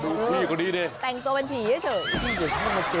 ดูพี่ก็ดีดิแต่งตัวเป็นผีก็เฉย